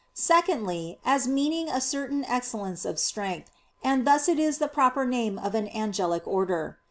Secondly, as meaning a certain excellence of strength; and thus it is the proper name of an angelic order.